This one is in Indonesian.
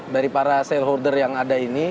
dari para stakeholder yang ada ini